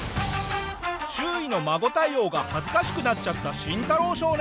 周囲の孫対応が恥ずかしくなっちゃったシンタロウ少年。